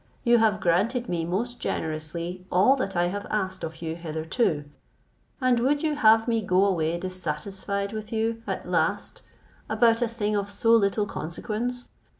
You have granted me most generously all that I have asked of you hitherto, and would you have me go away dissatisfied with you at last about a thing of so little consequence?